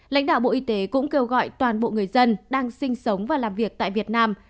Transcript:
lãnh đạo bộ y tế cũng kêu gọi toàn bộ người dân đang sinh sống và làm việc tại việt nam